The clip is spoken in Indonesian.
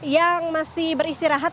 yang masih beristirahat